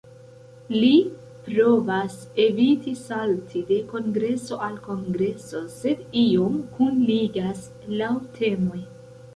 Li provas eviti salti de kongreso al kongreso, sed iom kunligas laŭ temoj.